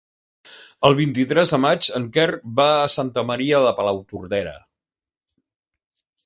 El vint-i-tres de maig en Quer va a Santa Maria de Palautordera.